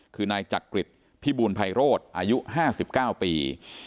คือนายจักริตพิบูลไพโรธอายุ๕๙ปี